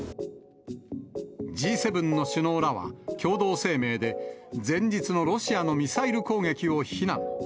Ｇ７の首脳らは、共同声明で、前日のロシアのミサイル攻撃を非難。